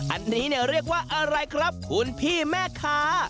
อันนี้เรียกว่าอะไรครับคุณพี่แม่ค่ะ